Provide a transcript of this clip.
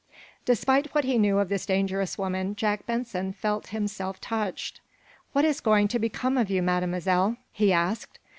Despite what he knew of this dangerous woman, Jack Benson felt himself touched. "What is going to become of you, Mademoiselle?" he asked.